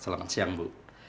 selamat siang bu